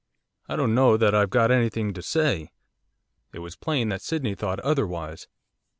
'I don't know that I've got anything to say.' It was plain that Sydney thought otherwise.